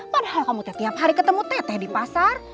padahal kamu teh tiap hari ketemu teh teh di pasar